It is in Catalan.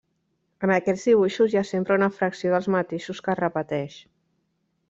En aquests dibuixos hi ha sempre una fracció dels mateixos que es repeteix.